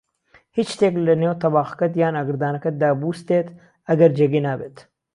هیچ شتێک لەنێو تەباخەکەت یان ئاگردانەکەت دا بووستێت، ئەگەر جێگەی نابێت